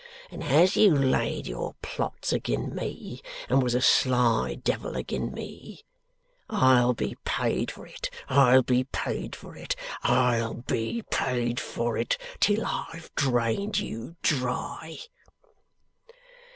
And as you laid your plots agin me and was a sly devil agin me, I'll be paid for it I'll be paid for it I'll be paid for it till I've drained you dry!